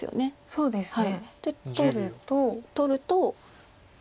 そうですね。